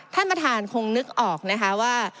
ท่านประธานคงนึกออกนะคะว่า